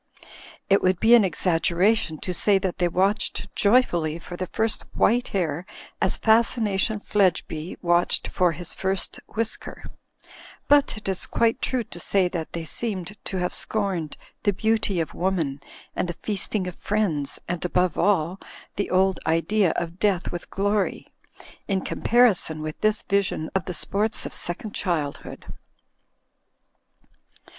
It would be an exaggeration to say that they watched joyfully for the first white hair as Fas cination Fledgeby watched for his first whisker; but it is quite true to say that they seemed to have scorned the beauty of woman and the feasting of friends and, above all, the old idea of death with glory ; in compari son with this vision of the sports of second childhood.